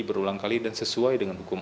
berulang kali dan sesuai dengan hukum